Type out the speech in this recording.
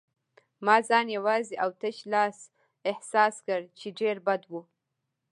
ما ځان یوازې او تش لاس احساس کړ، چې ډېر بد و.